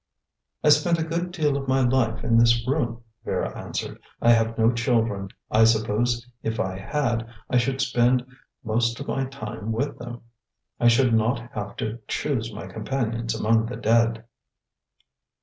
"I spend a good deal of my life in this room," Vera answered. "I have no children. I suppose if I had I should spend most of my time with them. I should not have to choose my companions among the dead."